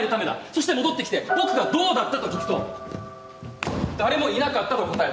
そして戻ってきて僕がどうだった？と聞くと誰もいなかったと答えた。